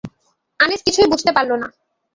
আনিস কিছুই বুঝতে পারল না।